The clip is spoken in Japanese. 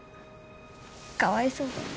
かわいそうだよ。